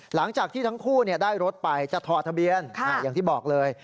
หลังจากที่ทั้งคู่ได้รถไปจะถอดทะเบียนอย่างที่บอกเลย